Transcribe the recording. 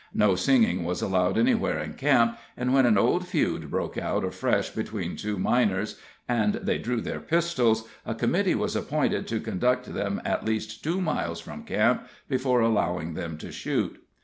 No singing was 'allowed anywhere in camp, and when an old feud broke out afresh between two miners, and they drew their pistols, a committee was appointed to conduct them at least two miles from camp, before allowing them to shoot.